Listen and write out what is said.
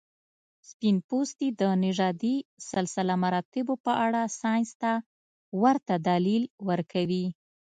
سپین پوستي د نژادي سلسله مراتبو په اړه ساینس ته ورته دلیل ورکوي.